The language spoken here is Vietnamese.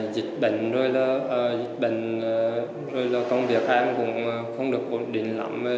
bình rồi là công việc em cũng không được ổn định lắm